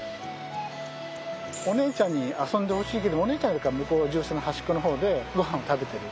お姉ちゃんに遊んでほしいけどお姉ちゃんは向こう獣舎の端っこの方でごはんを食べている。